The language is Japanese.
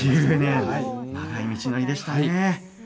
長い道のりでしたね。